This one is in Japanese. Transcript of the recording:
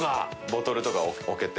ボトルとか置けて。